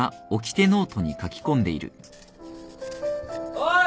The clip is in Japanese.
・おい